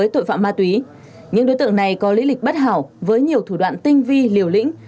tội phạm ma túy những đối tượng này có lý lịch bất hảo với nhiều thủ đoạn tinh vi liều lĩnh